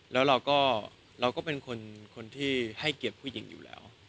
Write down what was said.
แล้วเราก็เป็นคนที่ให้เกียรติผู้หญิงอยู่แล้ว